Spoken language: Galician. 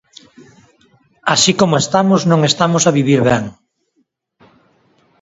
Así como estamos non estamos a vivir ben.